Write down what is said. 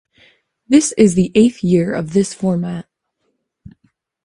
This is the eighth year of this format.